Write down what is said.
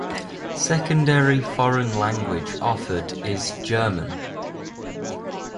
Secondary foreign language offered is German.